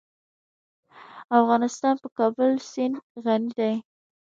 افغانستان په د کابل سیند غني دی.